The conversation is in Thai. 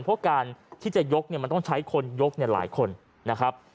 เพราะการที่จะยกเนี่ยมันต้องใช้คนยกหลายคนนะครับ